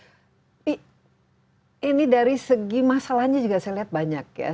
tapi ini dari segi masalahnya juga saya lihat banyak ya